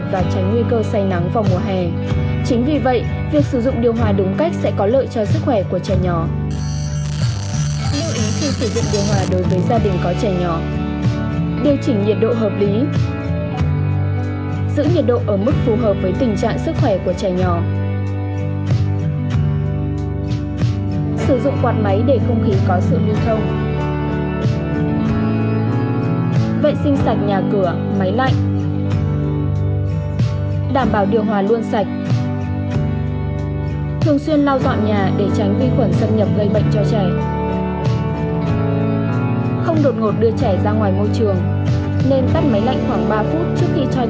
vệ sinh sạch nhà cửa máy lạnh